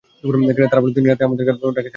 তারা বলল, তিনি রাতে আমাদের কারো ডাকে সাড়া দেন না।